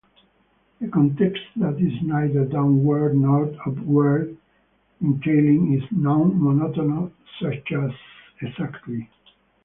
A context that is neither downward nor upward entailing is "non-monotone", such as "exactly".